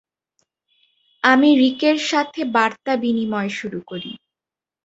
আমি রিকের সাথে বার্তা বিনিময় শুরু করি।